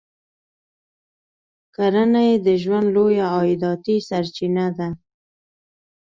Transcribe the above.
کرنه یې د ژوند لویه عایداتي سرچینه ده.